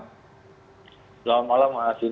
selamat malam mas yudha